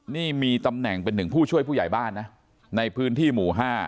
นี่มีตำแหน่งเป็นหนึ่งผู้ช่วยผู้ใหญ่บ้านนะในพื้นที่หมู่๕